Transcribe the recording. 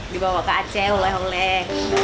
dibawa ke aceh oleh oleh